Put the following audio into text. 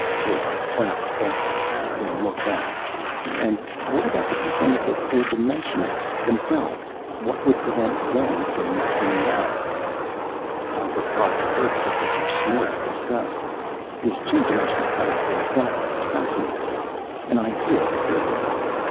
Pillbot frowned thoughtfully, then looked up. "And what about the viewpoint of the four dimensioners themselves what would prevent them from seeing us?" Harper hardly heard the Professor's snort of disgust. This two dimensional cutout in "Flatland" fascinated him. An idea occurred to him.